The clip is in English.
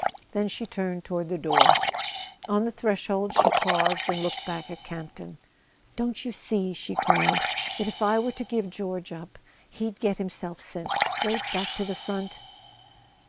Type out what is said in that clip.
Then she turned toward the door. On the threshold she paused and looked back at Camp ton. "Don't you see," she cried, "that if I were to give George up he'd get himself sent straight back to the front